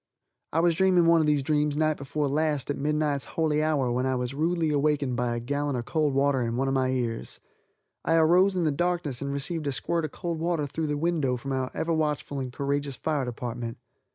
I was dreaming one of these dreams night before last at midnight's holy hour when I was rudely awakened by a gallon of cold water in one of my ears. I arose in the darkness and received a squirt of cold water through the window from our ever watchful and courageous fire department.